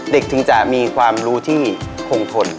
เด็กทั้งจะมีความรู้ที่กรงทน